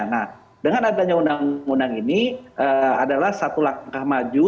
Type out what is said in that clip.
nah dengan adanya undang undang ini adalah satu langkah maju